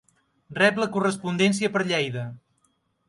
Rep la correspondència per Lleida.